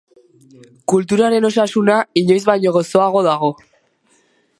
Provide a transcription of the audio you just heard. Kulturaren osasuna inoiz baino gozoago dago.